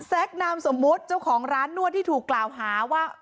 คนามสมมุติเจ้าของร้านนวดที่ถูกกล่าวหาว่า